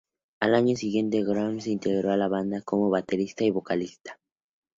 Al año siguiente, Grimm se integró a la banda como baterista y vocalista.